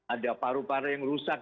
ada paru paru yang rusak